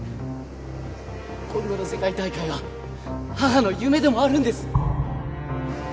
今度の世界大会は母の夢でもあるんです！